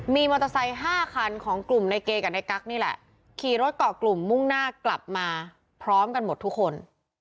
มีมอเตอร์ไซค์๕คันของกลุ่มในเกกับในกั๊กนี่แหละขี่รถต่อกลุ่มมุ่งหน้ากลับมาพร้อมกันหมดทุกคน